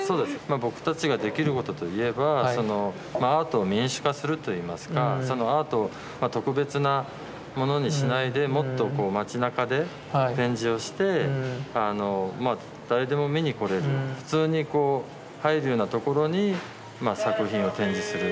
僕たちができることといえばそのアートを民主化するといいますかアートを特別なものにしないでもっと町なかで展示をして誰でも見に来れる普通にこう入るような所に作品を展示する。